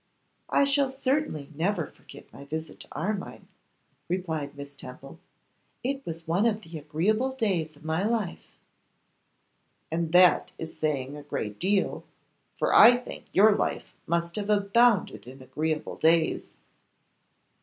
'I shall certainly never forget my visit to Armine,' replied Miss Temple; 'it was one of the agreeable days of life.' 'And that is saying a great deal, for I think your life must have abounded in agreeable days.